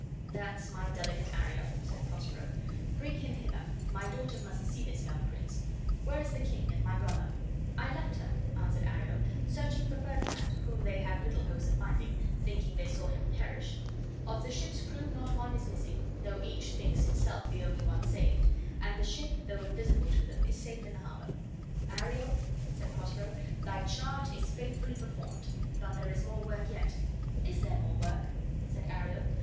"That's my delicate Ariel," said Prospero. "Bring him hither: my daughter must see this young prince. Where is the king, and my brother?" "I left them," answered Ariel, "searching for Ferdinand, whom they have little hopes of finding, thinking they saw him perish. Of the ship's crew not one is missing; though each one thinks himself the only one saved; and the ship, though invisible to them, is safe in the harbor." "Ariel," said Prospero, "thy charge is faithfully performed; but there is more work yet." "Is there more work?" said Ariel.